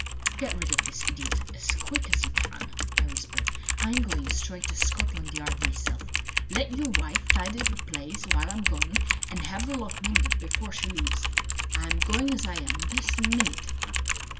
"Get rid of this idiot as quick as you can," I whispered. "I'm going straight to Scotland Yard myself. Let your wife tidy the place while I'm gone, and have the lock mended before she leaves. I'm going as I am, this minute!"